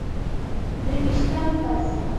درویشتم فصل